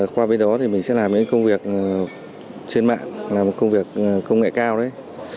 qua bên đó thì mình sẽ làm những công việc trên mạng làm công việc công nghệ cao đấy